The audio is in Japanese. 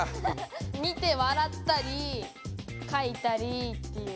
見てわらったりかいたりっていう。